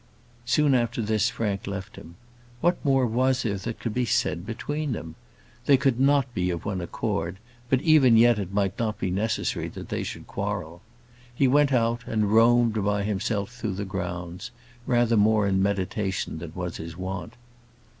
Soon after this Frank left him. What more was there that could be said between them? They could not be of one accord; but even yet it might not be necessary that they should quarrel. He went out, and roamed by himself through the grounds, rather more in meditation than was his wont.